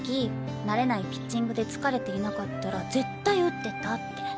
慣れないピッチングで疲れていなかったら絶対打ってたって。